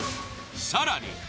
更に。